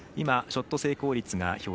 ショット成功率